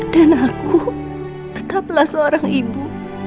dan aku tetaplah seorang ibu